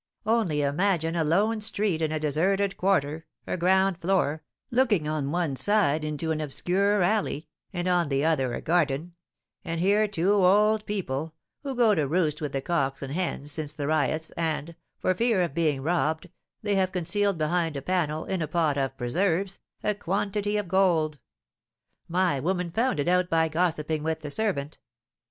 Only imagine a lone street in a deserted quarter, a ground floor, looking on one side into an obscure alley, and on the other a garden, and here two old people, who go to roost with the cocks and hens since the riots, and, for fear of being robbed, they have concealed behind a panel, in a pot of preserves, a quantity of gold; my woman found it out by gossiping with the servant.